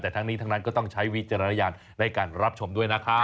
แต่ทั้งนี้ทั้งนั้นก็ต้องใช้วิจารณญาณในการรับชมด้วยนะครับ